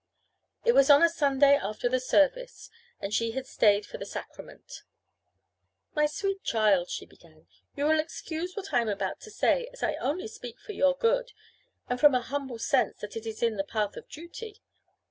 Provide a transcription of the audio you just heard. It was on a Sunday after the service, and she had stayed for the sacrament. "My sweet child," she began, "you will excuse what I am about to say, as I only speak for your good, and from a humble sense that it is the path of duty.